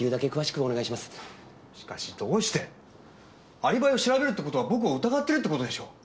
アリバイを調べるって事は僕を疑ってるって事でしょ？